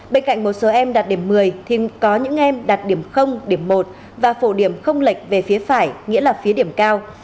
bên cạnh một số em đạt điểm một mươi thì có những em đạt điểm điểm một và phổ điểm không lệch về phía phải nghĩa là phía điểm cao